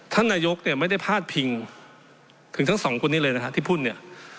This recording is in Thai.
ท่านนายกเนี่ยไม่ได้พาดพิงถึงทั้งสองคนนี้เลยนะฮะที่พูดเนี่ย